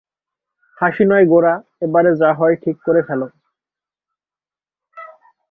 হাসি নয় গোরা, এবারে যা হয় ঠিক করে ফেলো।